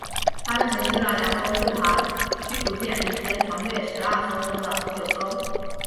它们击沉了两艘护航驱逐舰以及船队十二艘中的九艘。